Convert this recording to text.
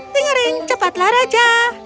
tingering cepatlah raja